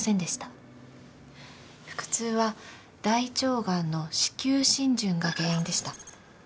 腹痛は大腸癌の子宮浸潤が原因でした。